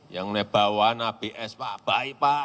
yang nebawan abs baik pak